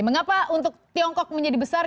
mengapa untuk tiongkok menjadi besar